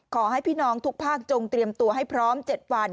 ขอให้พี่น้องทุกภาคจงเตรียมตัวให้พร้อม๗วัน